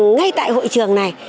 ngay tại hội trường này